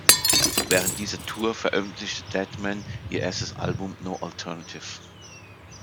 Während dieser Tour veröffentlichen Deadman ihr erstes Album "No Alternative".